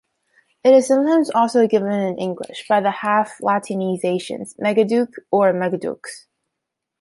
It is sometimes also given in English by the half-Latinizations megaduke or megadux.